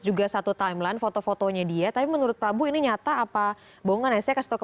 juga satu timeline foto fotonya dia tapi menurut prabu ini nyata apa bongan ya saya kasih